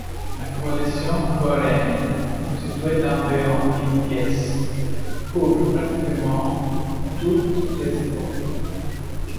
La collection coréenne, constituée d’environ mille pièces, couvre pratiquement toutes les époques.